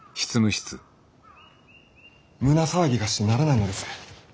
胸騒ぎがしてならないのです。